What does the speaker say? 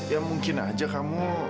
ya mungkin aja kamu